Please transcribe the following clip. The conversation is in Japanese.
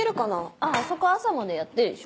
あそこ朝までやってるでしょ。